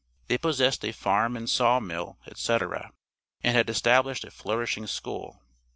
They possessed a farm and saw mill, etc., and had established a flourishing school.